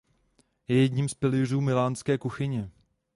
Je jedním z pilířů milánské kuchyně.